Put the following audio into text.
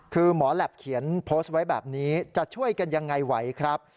คือหมอแหลปเขียนโพสต์ไว้แบบนี้จะช่วยกันยังไงไหวครับ